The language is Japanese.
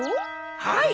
はい。